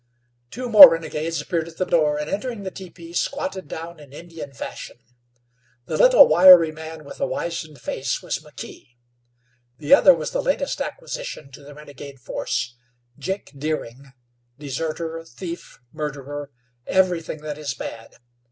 Two more renegades appeared at the door, and, entering the teepee, squatted down in Indian fashion. The little wiry man with the wizened face was McKee; the other was the latest acquisition to the renegade force, Jake Deering, deserter, thief, murderer everything that is bad.